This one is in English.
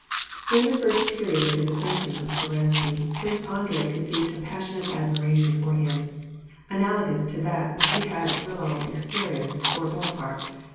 During the first period of his acquaintance with Speransky, Prince Andrei conceived a passionate admiration for him, analogous to that which he had whilom experienced for Bona parte.